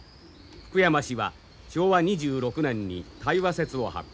福山氏は昭和２６年に太和説を発表。